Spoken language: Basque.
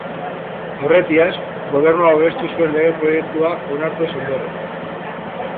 Aurretiaz, gobernua babestu zuen lege-proiektua onartu ez ondoren.